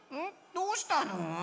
どうしたの？